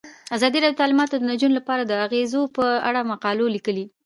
ازادي راډیو د تعلیمات د نجونو لپاره د اغیزو په اړه مقالو لیکلي.